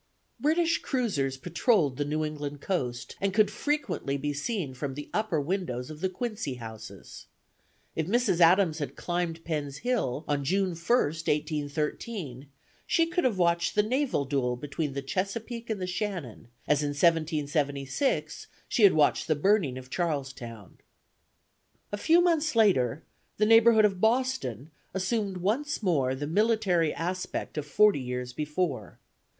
British cruisers patrolled the New England coast, and could frequently be seen from the upper windows of the Quincy houses. If Mrs. Adams had climbed Penn's Hill on June 1st, 1813, she could have watched the naval duel between the Chesapeake and the Shannon, as in 1776 she had watched the burning of Charlestown. A few months later, the neighborhood of Boston assumed once more the military aspect of forty years before.